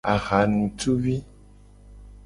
Ahanutuvi.